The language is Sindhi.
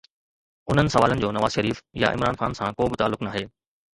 انهن سوالن جو نواز شريف يا عمران خان سان ڪو به تعلق ناهي.